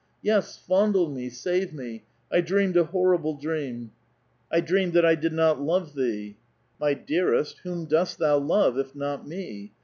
''Yes, fondle me ! save me ! I dreamed a horrible dream ; I dreamed that I did not love thee." " My dearest, whom dost thou love, if not me?